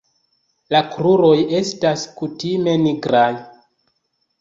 La kruroj estas kutime nigraj.